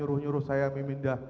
urus urus ya dominta